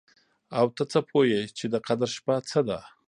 او ته څه پوه يې چې د قدر شپه څه ده؟